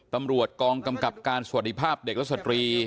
ตำรวจกองกำกับการสวัสดีภาพเด็กและสตรี